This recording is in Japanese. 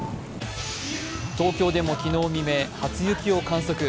東京でも昨日未明、初雪を観測。